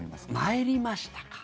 参りました、か。